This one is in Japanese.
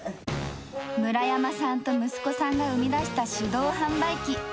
村山さんと息子さんの生み出した手動販売機。